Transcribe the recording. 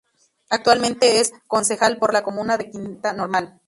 Actualmente es concejal por la comuna de Quinta Normal.